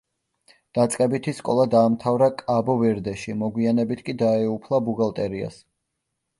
დაწყებითი სკოლა დაამთავრა კაბო-ვერდეში, მოგვიანებით კი დაეუფლა ბუღალტერიას.